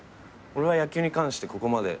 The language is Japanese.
俺は野球に関してここまで。